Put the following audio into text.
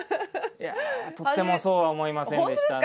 とてもそうは思いませんでしたね。